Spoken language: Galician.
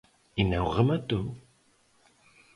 E non rematou.